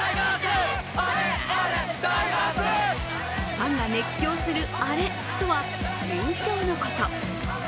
ファンが熱狂するアレとは優勝のこと。